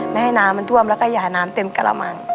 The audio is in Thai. ไม่ให้น้ำมันท่วมแล้วก็อย่าน้ำเต็มกระมัง